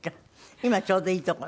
今ちょうどいいところ？